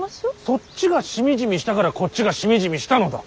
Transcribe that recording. そっちがしみじみしたからこっちがしみじみしたのだ。